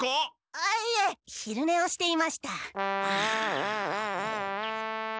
あっいえ昼ねをしていました。